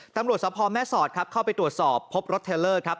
ตำรวจสภแม่สอดครับเข้าไปตรวจสอบพบรถเทลเลอร์ครับ